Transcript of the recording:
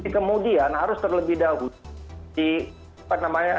kemudian harus terlebih dahulu